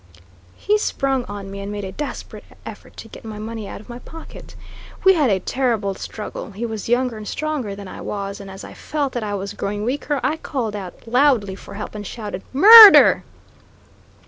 He sprung on me, and made a desperate effort to get my money out of my pocket. We had a terrible struggle. He was younger and stronger than I was, and as I felt that I was growing weaker I called out loudly for help and shouted "Murder!"